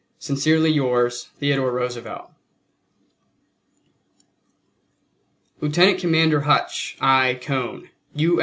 Sincerely yours, THEODORE ROOSEVELT. LIEUTENANT COMMANDER HUTCH. I. CONE, U.